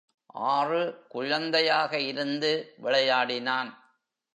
ஆறு குழந்தையாக இருந்து விளையாடினான்.